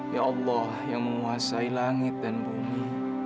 ya allah yang menguasai langit dan bumi